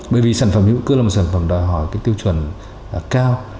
bởi vì sản phẩm hữu cơ là một sản phẩm đòi hỏi tiêu chuẩn cao